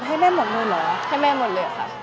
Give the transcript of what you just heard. ให้แม่หมดเลยเหรอให้แม่หมดเลยค่ะ